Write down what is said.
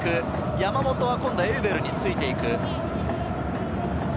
山本は今度エウベルについていく。